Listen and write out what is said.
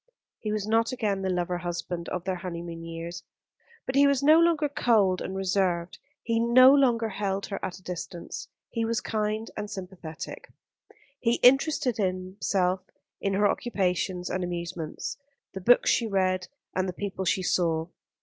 He was not again the lover husband of their honeymoon years; but he was no longer cold and reserved, he no longer held her at a distance. He was kind and sympathetic. He interested himself in her occupations and amusements, the books she read and the people she saw.